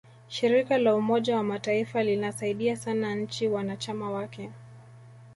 shirika la umoja wa mataifa linasaidia sana nchi wanachama wake